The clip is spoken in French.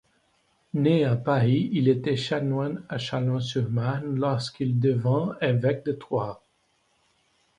Né à Paris, il était chanoine à Châlons-sur-Marne, lorsqu'il devint évêque de Troyes.